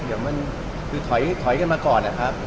เฉยขับซื้อถอยมาก่อน